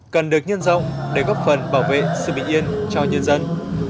cần được nhân rộng để góp phần bảo vệ sự bình yên cho nhân dân